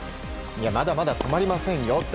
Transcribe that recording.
まだまだ止まりませんよ。